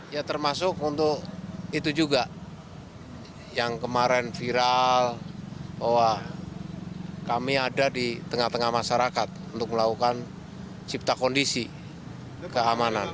ya termasuk untuk itu juga yang kemarin viral bahwa kami ada di tengah tengah masyarakat untuk melakukan cipta kondisi keamanan